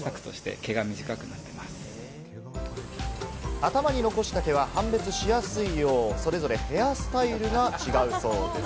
頭に残した毛は判別しやすいよう、それぞれヘアスタイルが違うそうです。